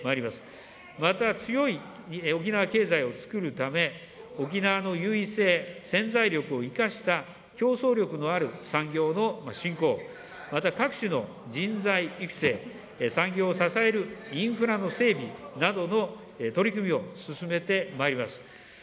また、強い沖縄経済をつくるため、沖縄の優位性、潜在力を生かした競争力のある産業の振興、また各種の人材育成、産業を支えるインフラの整備などの取り組みを進めてまいります。